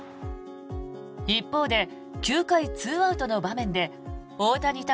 一方で、９回２アウトの場面で大谷対